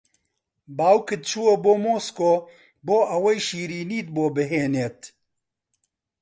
باوکت چووە بۆ مۆسکۆ بۆ ئەوەی شیرینیت بۆ بھێنێت